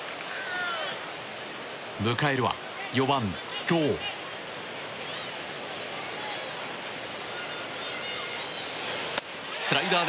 迎えるは４番、ロー。